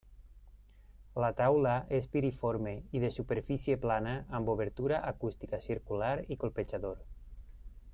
La taula és piriforme i de superfície plana amb obertura acústica circular i colpejador.